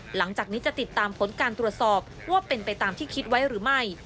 หลังจากนี้จะติดตามผลการตรวจสอบว่าเป็นไปตามที่คิดไว้หรือไม่